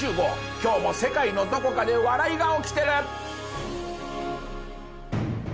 今日も世界のどこかで笑いが起きてる！